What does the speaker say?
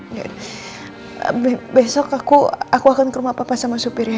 nanti aku akan ke rumah papa sama supir ya